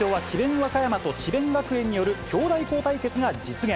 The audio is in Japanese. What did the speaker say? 和歌山と智弁学園による兄弟校対決が実現。